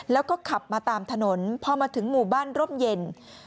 แล้วก็ขับมาตามถนนพอมาถึงหมู่บ้านร่มเย็น